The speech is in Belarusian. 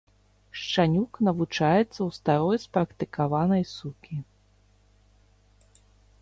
Шчанюк навучаецца ў старой спрактыкаванай сукі.